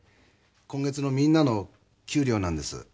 今月のみんなの給料なんです